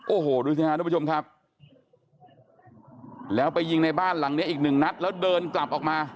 โอ้โฮดูสินะครับทุกผู้ชมครับ